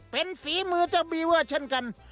เป็นฝีมือเจ้าบีว่าเช่นกัน